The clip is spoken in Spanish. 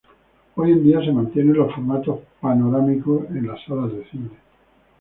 Hoy en día se mantienen los formatos panorámicos en las salas de cine.